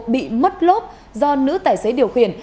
bị mất lốp do nữ tài xế điều khiển